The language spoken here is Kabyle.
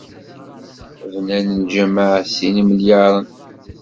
Bnan lǧameɛ s sin imelyaren.